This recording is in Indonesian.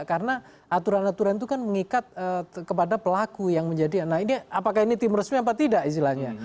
karena aturan aturan itu kan mengikat kepada pelaku yang menjadi nah ini apakah ini tim resmi apa tidak istilahnya